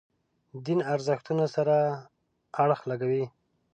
دین ارزښتونو سره اړخ لګوي.